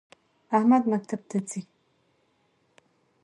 احمد مکتب ته ځی